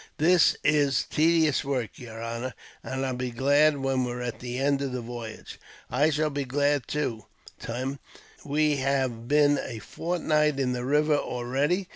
"This is tedious work, yer honor, and I'll be glad when we're at the end of the voyage." "I shall be glad, too, Tim. We have been a fortnight in the river already.